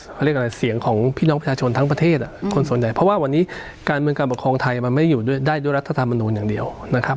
เขาเรียกอะไรเสียงของพี่น้องประชาชนทั้งประเทศคนส่วนใหญ่เพราะว่าวันนี้การเมืองการปกครองไทยมันไม่ได้อยู่ด้วยได้ด้วยรัฐธรรมนูลอย่างเดียวนะครับ